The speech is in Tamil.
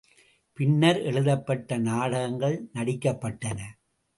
பின்னர், எழுதப்பட்ட நாடகங்கள் நடிக்கப்பட்டன.